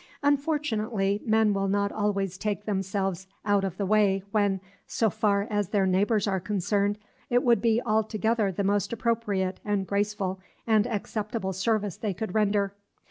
Unfortunately, men will not always take themselves out of the way when, so far as their neighbors are concerned, it would be altogether the most appropriate and graceful and acceptable service they could render.